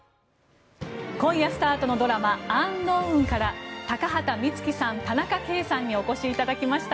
今夜スタートのドラマ「ｕｎｋｎｏｗｎ」から高畑充希さん、田中圭さんにお越しいただきました。